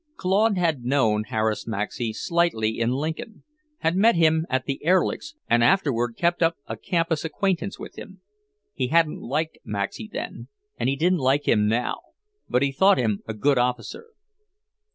Claude had known Harris Maxey slightly in Lincoln; had met him at the Erlichs' and afterward kept up a campus acquaintance with him. He hadn't liked Maxey then, and he didn't like him now, but he thought him a good officer.